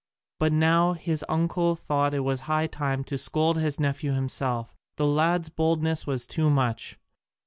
But now his uncle thought it was high time to scold his nephew himself; the lad's boldness was too much.